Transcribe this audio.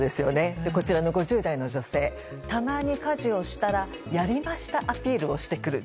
５０代の女性たまに家事したらやりましたアピールしてくる。